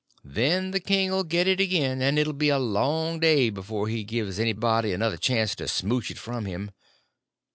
Then the king 'll get it again, and it 'll be a long day before he gives anybody another chance to smouch it from him.